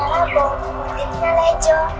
ini adalah baju yang bawa kukur dirinya lejo